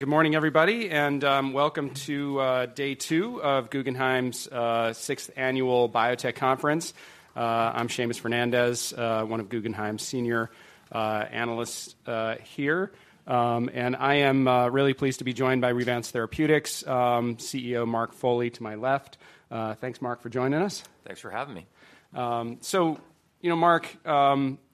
Good morning, everybody, and welcome to day two of Guggenheim's sixth annual Biotech Conference. I'm Seamus Fernandez, one of Guggenheim's senior analysts here. And I am really pleased to be joined by Revance Therapeutics CEO Mark Foley, to my left. Thanks, Mark, for joining us. Thanks for having me. So, you know, Mark,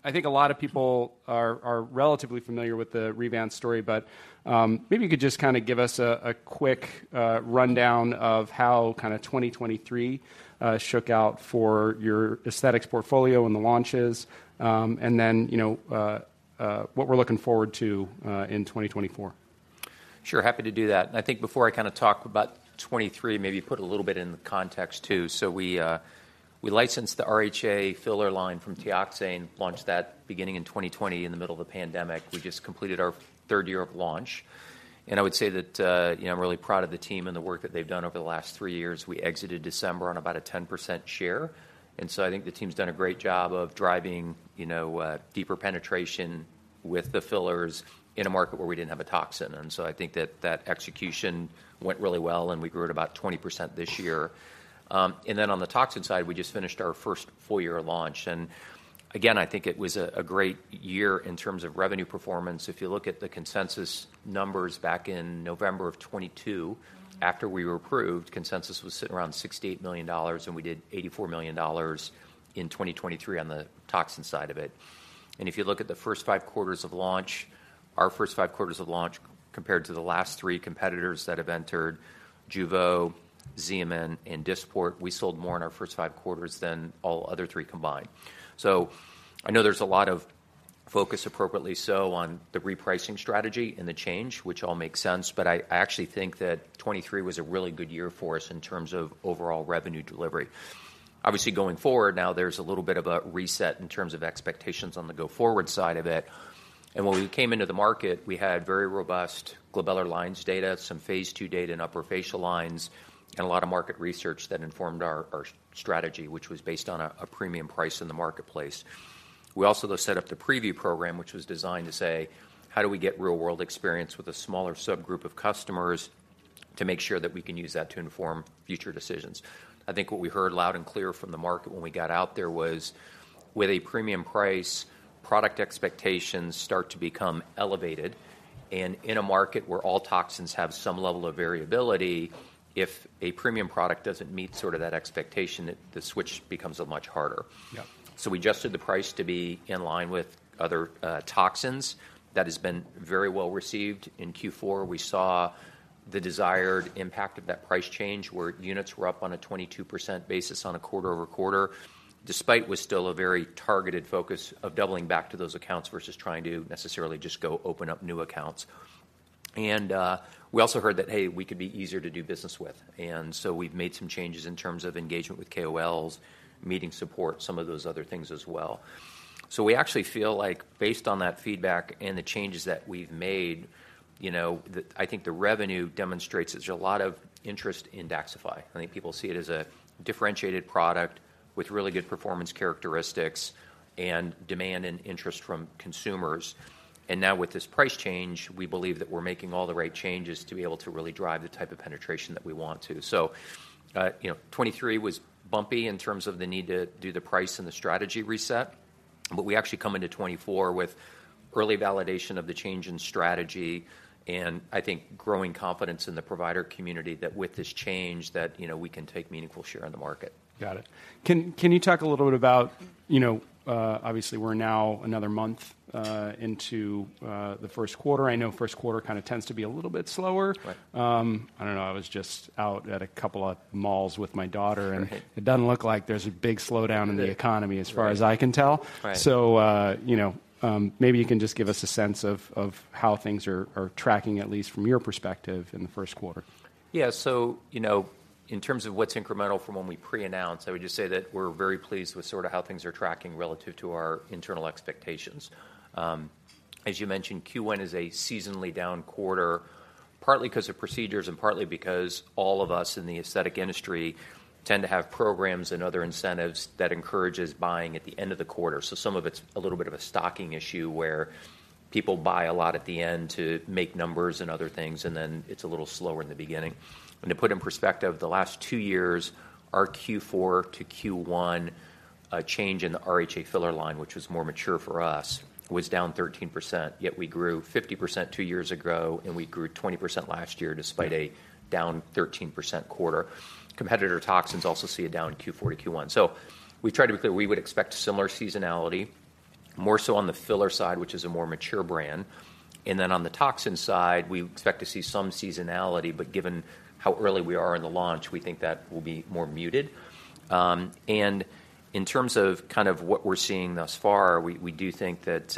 I think a lot of people are relatively familiar with the Revance story, but maybe you could just kind of give us a quick rundown of how kind of 2023 shook out for your aesthetics portfolio and the launches, and then, you know, what we're looking forward to in 2024. Sure, happy to do that. I think before I kind of talk about 2023, maybe put a little bit in the context too. So we, we licensed the RHA filler line from Teoxane, launched that beginning in 2020, in the middle of the pandemic. We just completed our third year of launch, and I would say that, you know, I'm really proud of the team and the work that they've done over the last three years. We exited December on about a 10% share, and so I think the team's done a great job of driving, you know, deeper penetration with the fillers in a market where we didn't have a toxin. And so I think that that execution went really well, and we grew at about 20% this year. And then on the toxin side, we just finished our first full year of launch, and again, I think it was a great year in terms of revenue performance. If you look at the consensus numbers back in November of 2022, after we were approved, consensus was sitting around $68 million, and we did $84 million in 2023 on the toxin side of it. And if you look at the first five quarters of launch, our first five quarters of launch compared to the last three competitors that have entered, Jeuveau, Xeomin, and Dysport, we sold more in our first five quarters than all other three combined. So I know there's a lot of focus, appropriately so, on the repricing strategy and the change, which all makes sense, but I, I actually think that 2023 was a really good year for us in terms of overall revenue delivery. Obviously, going forward, now there's a little bit of a reset in terms of expectations on the go-forward side of it. And when we came into the market, we had very robust glabellar lines data, some phase two data in upper facial lines, and a lot of market research that informed our, our strategy, which was based on a, a premium price in the marketplace. We also though set up the PrevU program, which was designed to say: How do we get real-world experience with a smaller subgroup of customers to make sure that we can use that to inform future decisions? I think what we heard loud and clear from the market when we got out there was, with a premium price, product expectations start to become elevated, and in a market where all toxins have some level of variability, if a premium product doesn't meet sort of that expectation, the switch becomes so much harder. Yeah. So we adjusted the price to be in line with other toxins. That has been very well received. In Q4, we saw the desired impact of that price change, where units were up on a 22% basis on a quarter-over-quarter, despite with still a very targeted focus of doubling back to those accounts versus trying to necessarily just go open up new accounts. And we also heard that, "Hey, we could be easier to do business with." And so we've made some changes in terms of engagement with KOLs, meeting support, some of those other things as well. So we actually feel like based on that feedback and the changes that we've made, you know, the... I think the revenue demonstrates there's a lot of interest in DAXXIFY. I think people see it as a differentiated product with really good performance characteristics and demand and interest from consumers. And now with this price change, we believe that we're making all the right changes to be able to really drive the type of penetration that we want to. So, you know, 2023 was bumpy in terms of the need to do the price and the strategy reset, but we actually come into 2024 with early validation of the change in strategy, and I think growing confidence in the provider community that with this change, that, you know, we can take meaningful share in the market. Got it. Can you talk a little bit about, you know, obviously we're now another month into the first quarter. I know first quarter kind of tends to be a little bit slower. Right. I don't know, I was just out at a couple of malls with my daughter and it doesn't look like there's a big slowdown in the economy. Right. - as far as I can tell. Right. You know, maybe you can just give us a sense of how things are tracking, at least from your perspective, in the first quarter. Yeah. So, you know, in terms of what's incremental from when we pre-announced, I would just say that we're very pleased with sort of how things are tracking relative to our internal expectations. As you mentioned, Q1 is a seasonally down quarter, partly because of procedures and partly because all of us in the aesthetic industry tend to have programs and other incentives that encourages buying at the end of the quarter. So some of it's a little bit of a stocking issue, where people buy a lot at the end to make numbers and other things, and then it's a little slower in the beginning. And to put in perspective, the last two years, our Q4 to Q1 change in the RHA filler line, which was more mature for us, was down 13%, yet we grew 50% two years ago, and we grew 20% last year, despite a down 13% quarter. Competitor toxins also see a down in Q4 to Q1. So we've tried to be clear. We would expect similar seasonality, more so on the filler side, which is a more mature brand. And then on the toxin side, we expect to see some seasonality, but given how early we are in the launch, we think that will be more muted. And in terms of kind of what we're seeing thus far, we do think that,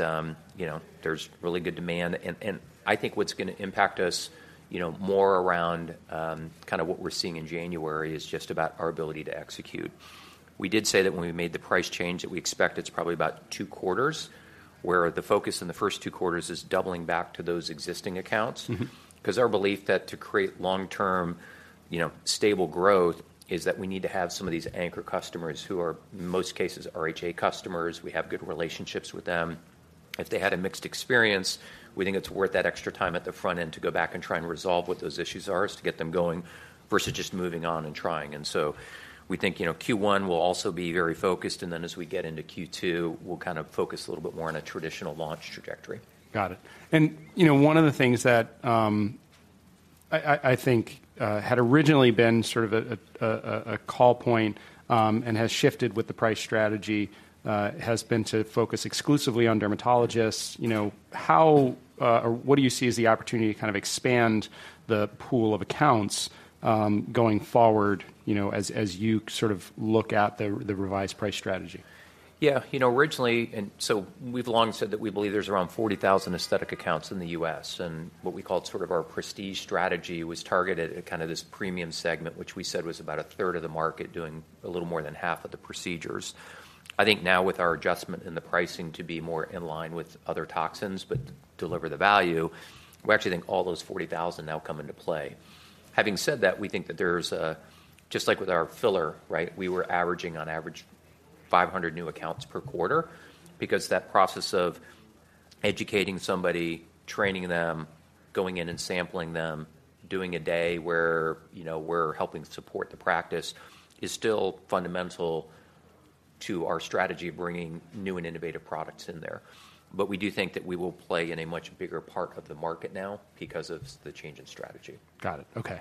you know, there's really good demand. And I think what's gonna impact us, you know, more around kind of what we're seeing in January, is just about our ability to execute. We did say that when we made the price change, that we expect it's probably about two quarters, where the focus in the first two quarters is doubling back to those existing accounts. Mm-hmm. 'Cause our belief that to create long-term, you know, stable growth, is that we need to have some of these anchor customers, who are, in most cases, RHA customers. We have good relationships with them. If they had a mixed experience, we think it's worth that extra time at the front end to go back and try and resolve what those issues are, as to get them going, versus just moving on and trying. And so we think, you know, Q1 will also be very focused, and then as we get into Q2, we'll kind of focus a little bit more on a traditional launch trajectory. Got it. And, you know, one of the things that I think had originally been sort of a call point and has shifted with the price strategy has been to focus exclusively on dermatologists. You know, how or what do you see as the opportunity to kind of expand the pool of accounts going forward, you know, as you sort of look at the revised price strategy? Yeah, you know, originally, and so we've long said that we believe there's around 40,000 aesthetic accounts in the U.S., and what we called sort of our prestige strategy was targeted at kind of this premium segment, which we said was about a third of the market, doing a little more than half of the procedures. I think now with our adjustment in the pricing to be more in line with other toxins, but deliver the value, we actually think all those 40,000 now come into play. Having said that, we think that there's just like with our filler, right? We were averaging on average 500 new accounts per quarter because that process of educating somebody, training them, going in and sampling them, doing a day where, you know, we're helping support the practice, is still fundamental to our strategy of bringing new and innovative products in there. But we do think that we will play in a much bigger part of the market now because of the change in strategy. Got it. Okay.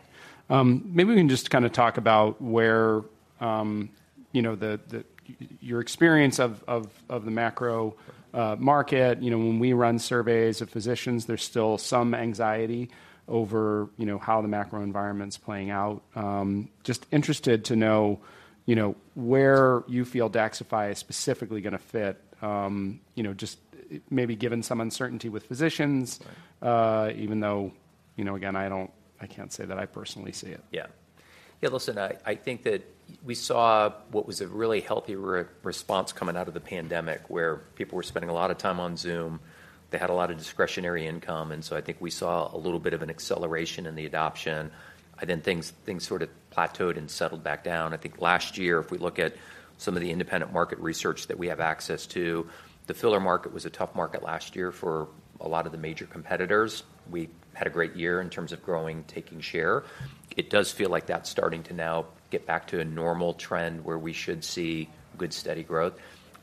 Maybe we can just kind of talk about where, you know, your experience of the macro market. You know, when we run surveys of physicians, there's still some anxiety over, you know, how the macro environment's playing out. Just interested to know, you know, where you feel DAXXIFY is specifically gonna fit, you know, just maybe given some uncertainty with physicians, even though, you know, again, I don't-- I can't say that I personally see it. Yeah. Yeah, listen, I, I think that we saw what was a really healthy response coming out of the pandemic, where people were spending a lot of time on Zoom. They had a lot of discretionary income, and so I think we saw a little bit of an acceleration in the adoption, and then things, things sort of plateaued and settled back down. I think last year, if we look at some of the independent market research that we have access to, the filler market was a tough market last year for a lot of the major competitors. We had a great year in terms of growing, taking share. It does feel like that's starting to now get back to a normal trend, where we should see good, steady growth.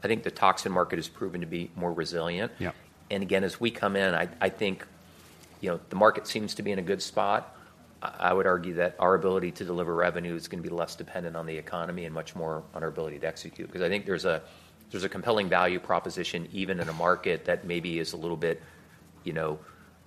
I think the toxin market has proven to be more resilient. Yeah. Again, as we come in, I think, you know, the market seems to be in a good spot. I would argue that our ability to deliver revenue is gonna be less dependent on the economy and much more on our ability to execute. Because I think there's a compelling value proposition, even in a market that maybe is a little bit, you know,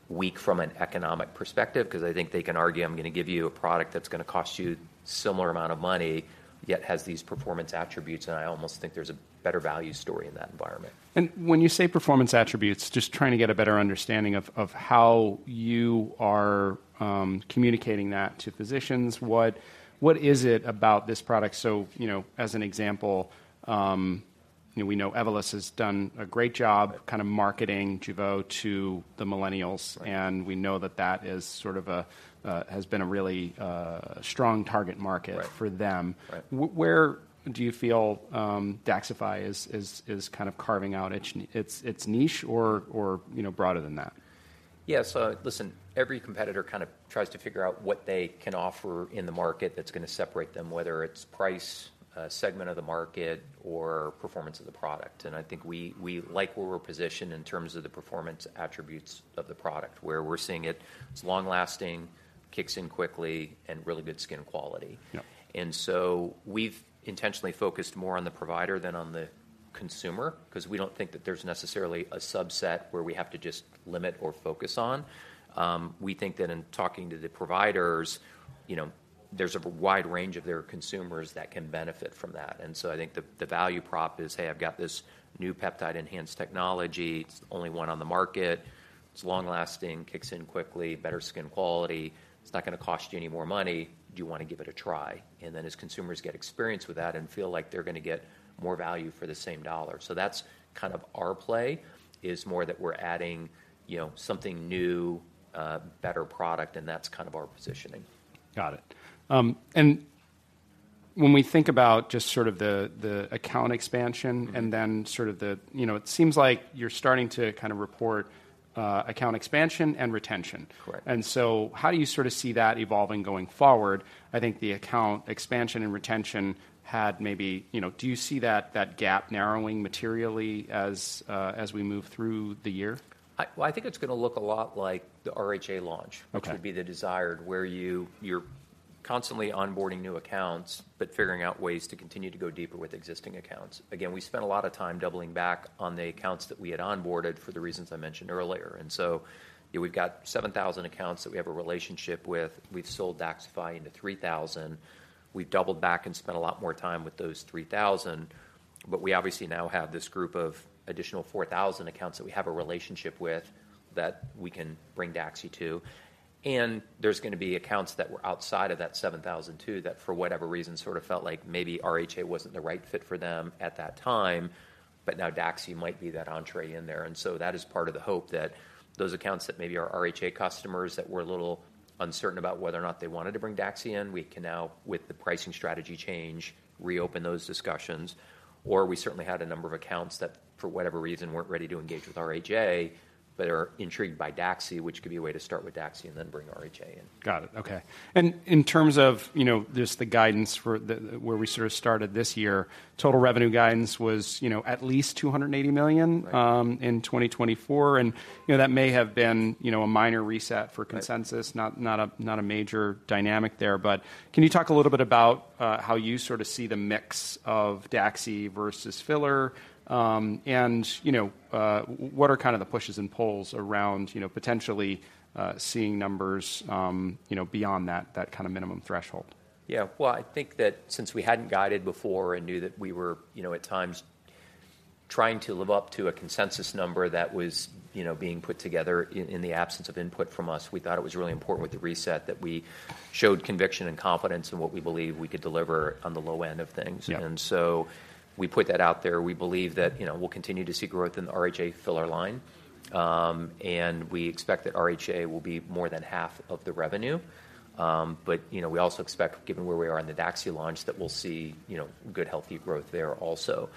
weak from an economic perspective, 'cause I think they can argue, "I'm gonna give you a product that's gonna cost you similar amount of money, yet has these performance attributes," and I almost think there's a better value story in that environment. When you say performance attributes, just trying to get a better understanding of how you are communicating that to physicians. What is it about this product? So, you know, as an example, you know, we know Evolus has done a great job kind of marketing Jeuveau to the millennials- Right. and we know that that is sort of a has been a really strong target market- Right... for them. Right. Where do you feel DAXXIFY is kind of carving out its niche or, you know, broader than that? Yeah, so listen, every competitor kind of tries to figure out what they can offer in the market that's gonna separate them, whether it's price, segment of the market, or performance of the product. And I think we, we like where we're positioned in terms of the performance attributes of the product, where we're seeing it, it's long lasting, kicks in quickly, and really good skin quality. Yeah. And so we've intentionally focused more on the provider than on the consumer, 'cause we don't think that there's necessarily a subset where we have to just limit or focus on. We think that in talking to the providers, you know, there's a wide range of their consumers that can benefit from that. And so I think the, the value prop is, "Hey, I've got this new peptide-enhanced technology. It's the only one on the market. It's long lasting, kicks in quickly, better skin quality. It's not gonna cost you any more money. Do you want to give it a try?" And then as consumers get experience with that and feel like they're gonna get more value for the same dollar. So that's kind of our play, is more that we're adding, you know, something new, better product, and that's kind of our positioning. Got it. When we think about just sort of the account expansion- Mm-hmm... and then sort of the... You know, it seems like you're starting to kind of report, account expansion and retention. Correct. And so how do you sort of see that evolving going forward? I think the account expansion and retention had maybe, you know— Do you see that, that gap narrowing materially as, as we move through the year? Well, I think it's gonna look a lot like the RHA launch- Okay... which would be the desired, where you, you're constantly onboarding new accounts, but figuring out ways to continue to go deeper with existing accounts. Again, we spent a lot of time doubling back on the accounts that we had onboarded for the reasons I mentioned earlier. And so, yeah, we've got 7,000 accounts that we have a relationship with. We've sold DAXXIFY into 3,000. We've doubled back and spent a lot more time with those 3,000.... but we obviously now have this group of additional 4,000 accounts that we have a relationship with, that we can bring DAXXIFY to. And there's gonna be accounts that were outside of that 7,000 too, that for whatever reason, sort of felt like maybe RHA wasn't the right fit for them at that time, but now DAXXIFY might be that entrée in there. So that is part of the hope, that those accounts that maybe are RHA customers that were a little uncertain about whether or not they wanted to bring DAXXIFY in, we can now, with the pricing strategy change, reopen those discussions. Or we certainly had a number of accounts that, for whatever reason, weren't ready to engage with RHA, but are intrigued by DAXXIFY, which could be a way to start with DAXXIFY and then bring RHA in. Got it. Okay. And in terms of, you know, just the guidance for where we sort of started this year, total revenue guidance was, you know, at least $280 million- Right... in 2024. You know, that may have been, you know, a minor reset for consensus- Right... not a major dynamic there. But can you talk a little bit about how you sort of see the mix of DAXXIFY versus filler? And, you know, what are kind of the pushes and pulls around, you know, potentially seeing numbers, you know, beyond that, that kind of minimum threshold? Yeah. Well, I think that since we hadn't guided before and knew that we were, you know, at times trying to live up to a consensus number that was, you know, being put together in the absence of input from us, we thought it was really important with the reset that we showed conviction and confidence in what we believed we could deliver on the low end of things. Yeah. So we put that out there. We believe that, you know, we'll continue to see growth in the RHA filler line. And we expect that RHA will be more than half of the revenue. But, you know, we also expect, given where we are on the DAXXIFY launch, that we'll see, you know, good, healthy growth there also.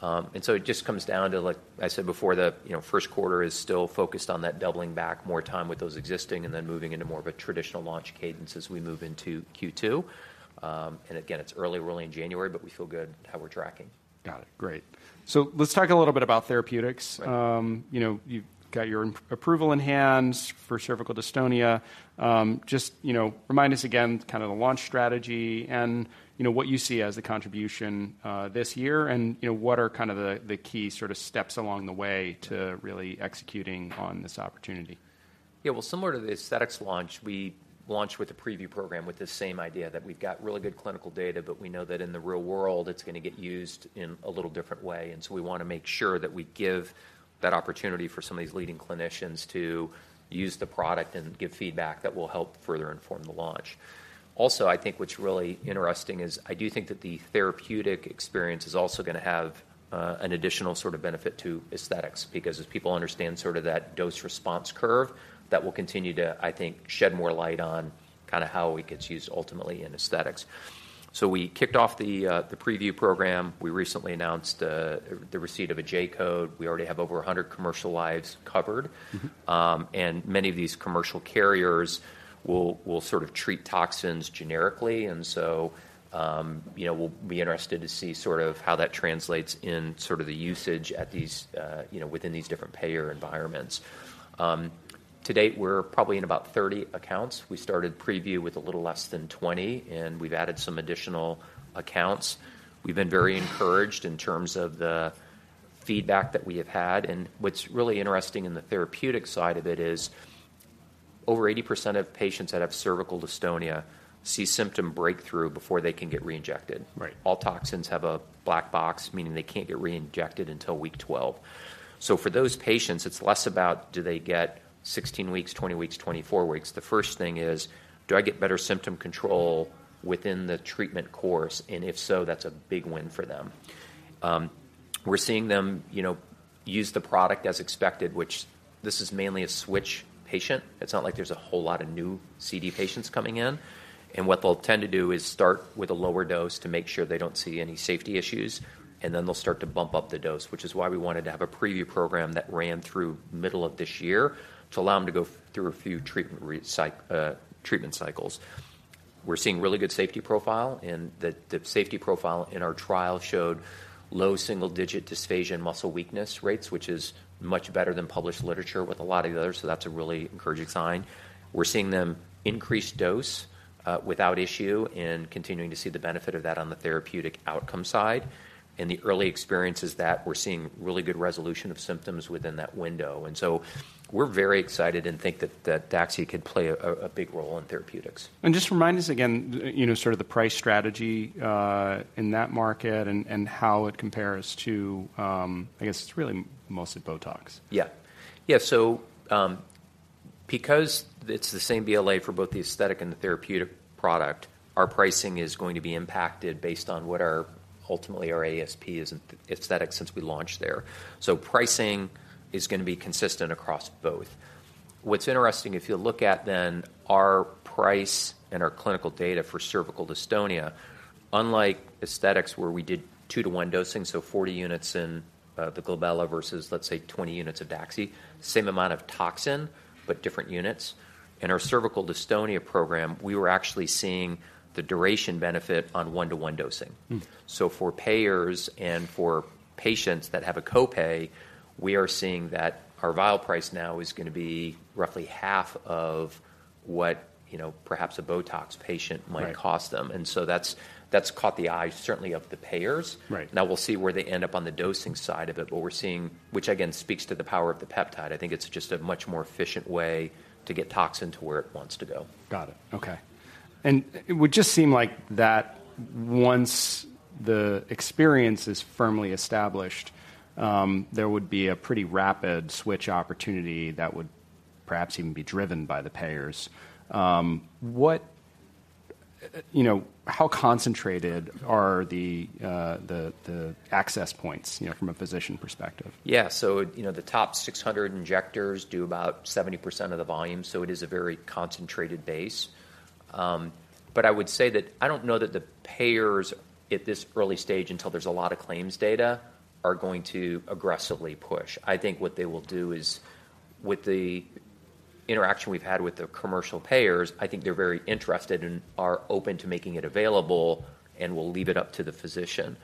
And so it just comes down to, like I said before, the, you know, first quarter is still focused on that doubling back, more time with those existing, and then moving into more of a traditional launch cadence as we move into Q2. And again, it's early, we're only in January, but we feel good how we're tracking. Got it. Great. So let's talk a little bit about therapeutics. Right. You know, you've got your FDA approval in hand for cervical dystonia. Just, you know, remind us again, kind of the launch strategy and, you know, what you see as the contribution this year, and, you know, what are kind of the key sort of steps along the way to really executing on this opportunity? Yeah. Well, similar to the aesthetics launch, we launched with a PrevU program with the same idea, that we've got really good clinical data, but we know that in the real world, it's gonna get used in a little different way, and so we want to make sure that we give that opportunity for some of these leading clinicians to use the product and give feedback that will help further inform the launch. Also, I think what's really interesting is, I do think that the therapeutic experience is also gonna have an additional sort of benefit to aesthetics, because as people understand sort of that dose-response curve, that will continue to, I think, shed more light on kind of how it gets used ultimately in aesthetics. So we kicked off the PrevU program. We recently announced the receipt of a J-code. We already have over 100 commercial lives covered. Mm-hmm. And many of these commercial carriers will sort of treat toxins generically, and so, you know, we'll be interested to see sort of how that translates in sort of the usage at these, you know, within these different payer environments. To date, we're probably in about 30 accounts. We started PrevU with a little less than 20, and we've added some additional accounts. We've been very encouraged in terms of the feedback that we have had. And what's really interesting in the therapeutic side of it is, over 80% of patients that have cervical dystonia see symptom breakthrough before they can get re-injected. Right. All toxins have a black box, meaning they can't get re-injected until week 12. So for those patients, it's less about do they get 16 weeks, 20 weeks, 24 weeks? The first thing is, do I get better symptom control within the treatment course? And if so, that's a big win for them. We're seeing them, you know, use the product as expected, which this is mainly a switch patient. It's not like there's a whole lot of new CD patients coming in. And what they'll tend to do is start with a lower dose to make sure they don't see any safety issues, and then they'll start to bump up the dose, which is why we wanted to have a PrevU program that ran through middle of this year, to allow them to go through a few treatment cycles. We're seeing really good safety profile, and the safety profile in our trial showed low single-digit dysphagia and muscle weakness rates, which is much better than published literature with a lot of the others, so that's a really encouraging sign. We're seeing them increase dose without issue, and continuing to see the benefit of that on the therapeutic outcome side. In the early experiences that we're seeing really good resolution of symptoms within that window. And so we're very excited and think that DAXXIFY could play a big role in therapeutics. Just remind us again, you know, sort of the price strategy in that market and how it compares to, I guess, it's really mostly Botox. Yeah. Yeah, so, because it's the same BLA for both the aesthetic and the therapeutic product, our pricing is going to be impacted based on what our, ultimately, our ASP is in aesthetics since we launched there. So pricing is gonna be consistent across both. What's interesting, if you look at then our price and our clinical data for cervical dystonia, unlike aesthetics, where we did 2-to-1 dosing, so 40 units in the glabella versus, let's say, 20 units of DAXXIFY, same amount of toxin, but different units. In our cervical dystonia program, we were actually seeing the duration benefit on 1-to-1 dosing. Hmm. So for payers and for patients that have a copay, we are seeing that our vial price now is gonna be roughly half of what, you know, perhaps a Botox patient might- Right... cost them. And so that's, that's caught the eye, certainly of the payers. Right. Now, we'll see where they end up on the dosing side of it, but we're seeing... which again, speaks to the power of the peptide. I think it's just a much more efficient way to get toxin to where it wants to go. Got it. Okay. It would just seem like that once the experience is firmly established, there would be a pretty rapid switch opportunity that would perhaps even be driven by the payers. What, you know, how concentrated are the access points, you know, from a physician perspective? Yeah. So, you know, the top 600 injectors do about 70% of the volume, so it is a very concentrated base. But I would say that I don't know that the payers, at this early stage, until there's a lot of claims data, are going to aggressively push. I think what they will do is, with the interaction we've had with the commercial payers, I think they're very interested and are open to making it available, and will leave it up to the physician.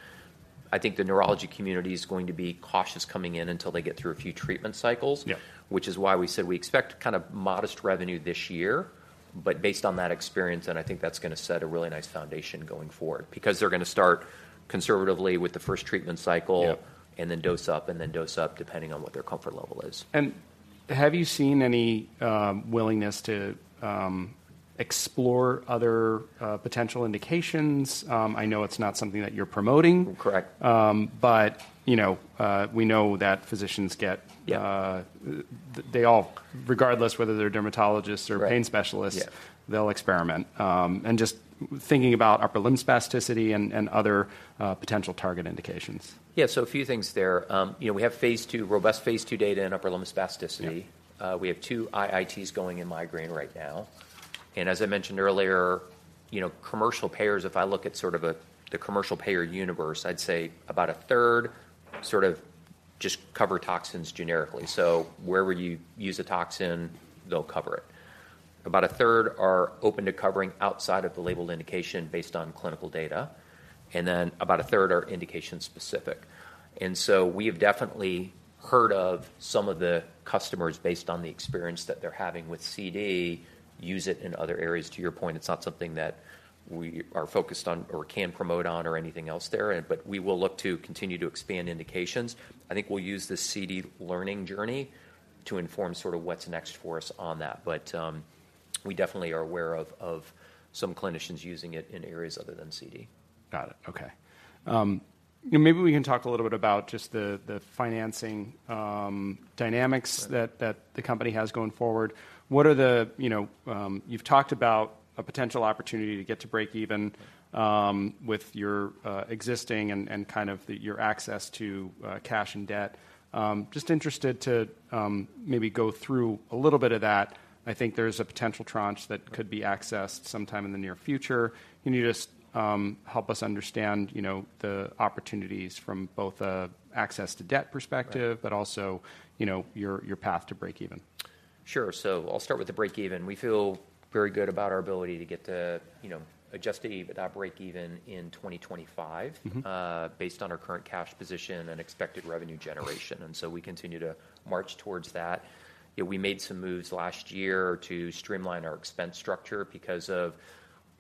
I think the neurology community is going to be cautious coming in until they get through a few treatment cycles. Yeah which is why we said we expect kind of modest revenue this year. But based on that experience, then I think that's gonna set a really nice foundation going forward. Because they're gonna start conservatively with the first treatment cycle- Yeah... and then dose up, and then dose up, depending on what their comfort level is. Have you seen any willingness to explore other potential indications? I know it's not something that you're promoting. Correct. But, you know, we know that physicians get, Yeah... they all, regardless whether they're dermatologists or- Right - pain specialists - Yeah They'll experiment. And just thinking about upper limb spasticity and other potential target indications. Yeah, so a few things there. You know, we have phase II, robust phase II data in upper limb spasticity. Yeah. We have two IITs going in migraine right now. As I mentioned earlier, you know, commercial payers, if I look at sort of a, the commercial payer universe, I'd say about a third sort of just cover toxins generically. Wherever you use a toxin, they'll cover it. About a third are open to covering outside of the labeled indication based on clinical data, and then about a third are indication specific. So we have definitely heard of some of the customers, based on the experience that they're having with CD, use it in other areas. To your point, it's not something that we are focused on or can promote on or anything else there, and, but we will look to continue to expand indications. I think we'll use the CD learning journey to inform sort of what's next for us on that, but we definitely are aware of some clinicians using it in areas other than CD. Got it. Okay. Maybe we can talk a little bit about just the financing, dynamics- Right that the company has going forward. What are the, you know... You've talked about a potential opportunity to get to breakeven, with your existing and kind of the your access to cash and debt. Just interested to maybe go through a little bit of that. I think there's a potential tranche that could be accessed sometime in the near future. Can you just help us understand, you know, the opportunities from both an access to debt perspective- Right but also, you know, your path to breakeven? Sure. So I'll start with the breakeven. We feel very good about our ability to get to, you know, adjusted EBITDA breakeven in 2025- Mm-hmm... based on our current cash position and expected revenue generation, and so we continue to march towards that. Yeah, we made some moves last year to streamline our expense structure because of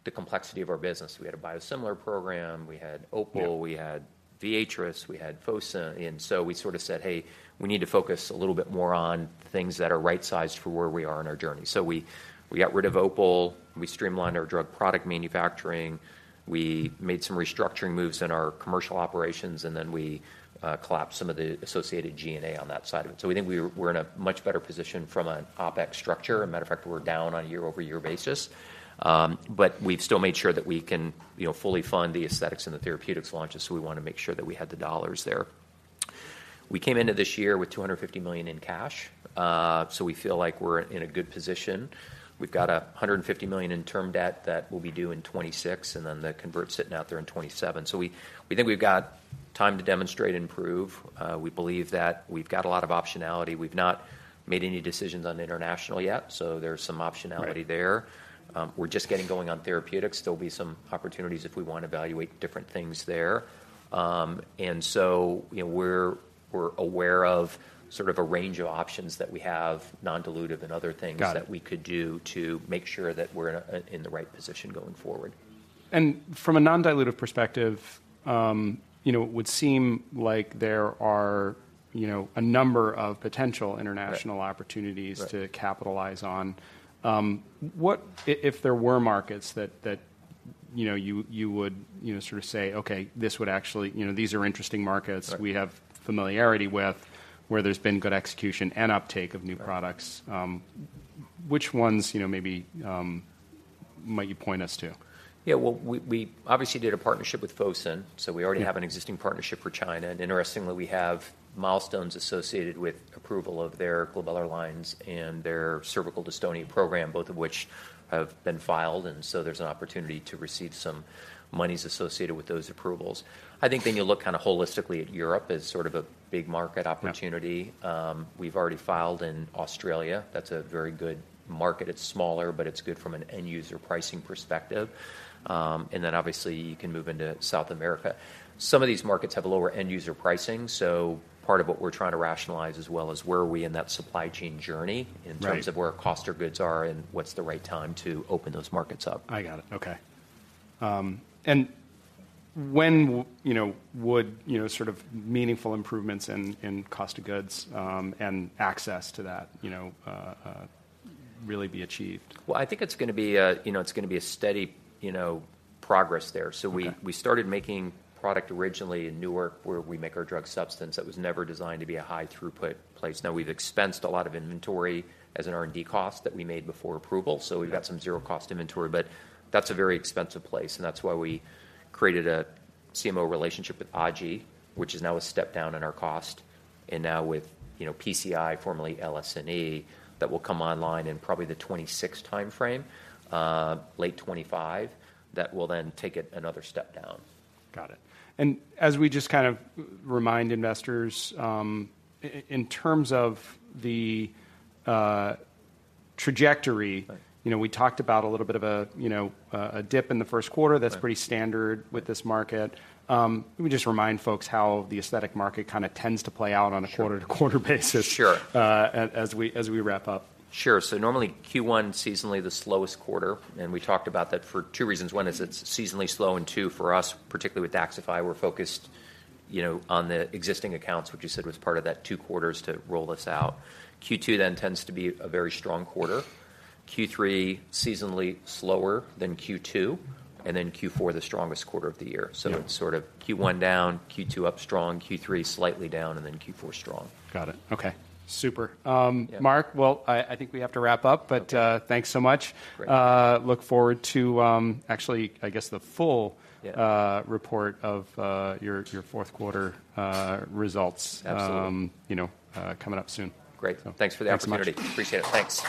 the complexity of our business. We had a biosimilar program, we had OPUL- Yeah We had Viatris, we had Fosun. And so we sort of said, "Hey, we need to focus a little bit more on things that are right-sized for where we are in our journey." So we got rid of OPUL, we streamlined our drug product manufacturing, we made some restructuring moves in our commercial operations, and then we collapsed some of the associated G&A on that side of it. So we think we're in a much better position from an OpEx structure. A matter of fact, we're down on a year-over-year basis. But we've still made sure that we can, you know, fully fund the aesthetics and the therapeutics launches, so we wanna make sure that we had the dollars there. We came into this year with $250 million in cash, so we feel like we're in a good position. We've got $150 million in term debt that will be due in 2026, and then the converts sitting out there in 2027. So we think we've got time to demonstrate and prove. We believe that we've got a lot of optionality. We've not made any decisions on international yet, so there's some optionality there. Right. We're just getting going on therapeutics. There'll be some opportunities if we want to evaluate different things there. And so, you know, we're aware of sort of a range of options that we have, non-dilutive and other things. Got it... that we could do to make sure that we're in a, in the right position going forward. From a non-dilutive perspective, you know, it would seem like there are, you know, a number of potential international— Right... opportunities- Right - to capitalize on. What if there were markets that, you know, you would, you know, sort of say, "Okay, this would actually... You know, these are interesting markets- Right - We have familiarity with, where there's been good execution and uptake of new products, which ones, you know, maybe, might you point us to? Yeah. Well, we obviously did a partnership with Fosun, so we already- Yeah... have an existing partnership for China. Interestingly, we have milestones associated with approval of their glabellar lines and their cervical dystonia program, both of which have been filed, and so there's an opportunity to receive some monies associated with those approvals. I think then you look kind of holistically at Europe as sort of a big market opportunity. Yeah. We've already filed in Australia. That's a very good market. It's smaller, but it's good from an end user pricing perspective. And then obviously, you can move into South America. Some of these markets have lower end user pricing, so part of what we're trying to rationalize as well is, where are we in that supply chain journey- Right... in terms of where our cost of goods are, and what's the right time to open those markets up? I got it. Okay. And when you know, would, you know, sort of meaningful improvements in, in cost of goods, and access to that, you know, really be achieved? Well, I think it's gonna be a, you know, it's gonna be a steady, you know, progress there. Okay. So we started making product originally in Newark, where we make our drug substance. That was never designed to be a high throughput place. Now, we've expensed a lot of inventory as an R&D cost that we made before approval- Yeah... so we've got some zero-cost inventory, but that's a very expensive place, and that's why we created a CMO relationship with Ajinomoto, which is now a step down in our cost. And now with, you know, PCI, formerly LSNE, that will come online in probably the 2026 timeframe, late 2025, that will then take it another step down. Got it. And as we just kind of remind investors, in terms of the trajectory- Right... you know, we talked about a little bit of a, you know, a dip in the first quarter. Right. That's pretty standard with this market. Let me just remind folks how the aesthetic market kind of tends to play out on a- Sure... quarter-to-quarter basis- Sure... as we, as we wrap up. Sure. Normally, Q1, seasonally the slowest quarter, and we talked about that for two reasons. Mm-hmm. One is it's seasonally slow, and two, for us, particularly with DAXXIFY, we're focused, you know, on the existing accounts, which you said was part of that two quarters to roll this out. Q2 then tends to be a very strong quarter. Q3, seasonally slower than Q2, and then Q4, the strongest quarter of the year. Yeah. Sort of Q1 down, Q2 up strong, Q3 slightly down, and then Q4 strong. Got it. Okay, super. Yeah... Mark, well, I think we have to wrap up, but... Okay... thanks so much. Great. Look forward to, actually, I guess, the full- Yeah... report of your fourth quarter results. Absolutely. You know, coming up soon. Great. So- Thanks for the opportunity. Thanks so much. Appreciate it. Thanks.